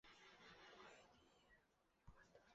穆雷迪耶人口变化图示